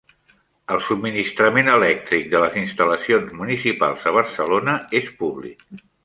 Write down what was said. El subministrament elèctric de les instal·lacions municipals a Barcelona és públic